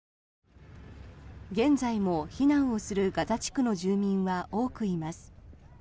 現在も避難をするガザ地区の住民は多くいます。